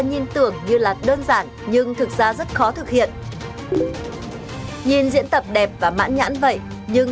nhìn tưởng như là đơn giản nhưng thực ra rất khó thực hiện nhìn diễn tập đẹp và mãn nhãn vậy nhưng